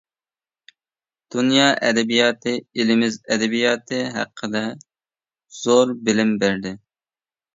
دۇنيا ئەدەبىياتى، ئىلىمىز ئەدەبىياتى ھەققىدە زور بىلىم بەردى.